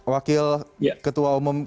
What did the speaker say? wakil ketua umum